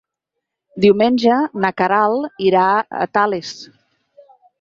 Diumenge na Queralt irà a Tales.